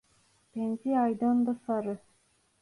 Benzi aydan da sarı.